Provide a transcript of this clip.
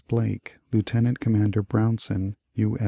Blake, Lieut. Commander Brownson, U.